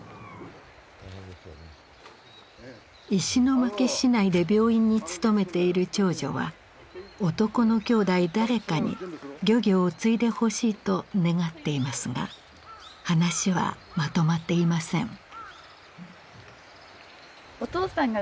石巻市内で病院に勤めている長女は男のきょうだい誰かに漁業を継いでほしいと願っていますが話はまとまっていません。